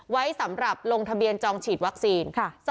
ไว้สำหรับลงทะเบียนจองฉีดวัคซีน